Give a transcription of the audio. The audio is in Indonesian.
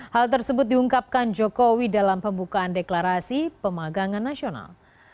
hal tersebut diungkapkan jokowi dalam pembukaan deklarasi pemagangan nasional